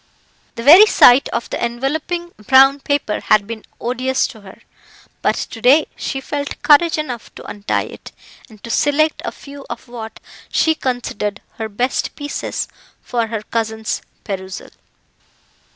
The very sight of the enveloping brown paper had been odious to her: but to day she felt courage enough to untie it, and to select a few of what she considered her best pieces for her cousin's perusal.